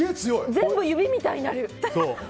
全部指みたいになる。